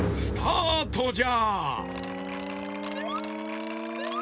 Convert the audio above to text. スタートじゃ！